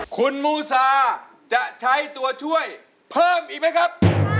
คุณมูซาจะใช้ตัวช่วยเพิ่มอีกไหมครับ